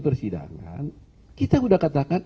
persidangan kita sudah katakan